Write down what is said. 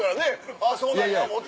あぁそうなんや思うて。